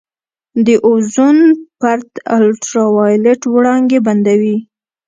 د اوزون پرت الټراوایلټ وړانګې بندوي.